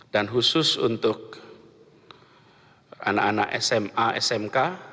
dan khusus untuk anak anak sma smk